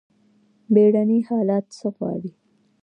بیړني حالات څه غواړي؟